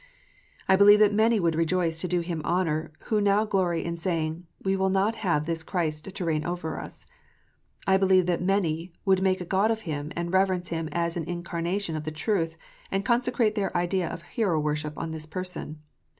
I believe that many would rejoice to do him honour, who now glory in saying, " We will not have this Christ to reign over us." I believe that many would make a god of him, and reverence him as an incarnation of truth, and concentrate their idea of hero worship on his person.